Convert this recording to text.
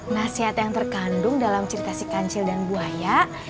nasihat yang terkandung dalam cerita si kancil dan buaya